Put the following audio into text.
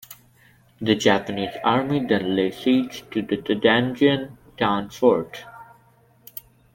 The Japanese Army then lay siege to Tianjia Town Fort.